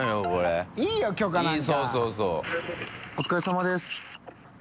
お疲れさまです。